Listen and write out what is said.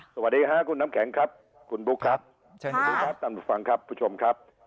สวัสดีค่ะคุณน้ำแข็งครับคุณบุ๊คครับตามทุกฟังครับผู้ชมครับ